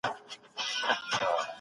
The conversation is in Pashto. کومه لار د څېړني لپاره غوره ده؟